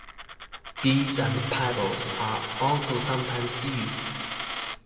Beads and pebbles are also sometimes used.